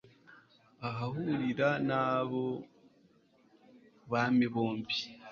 ahahurira n'abo bami bombi